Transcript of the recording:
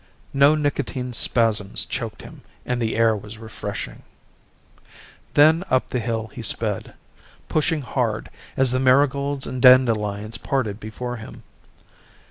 No nicotine spasms choked him and the air was refreshing. Then up the hill he sped, pushing hard, as the marigolds and dandelions parted before him.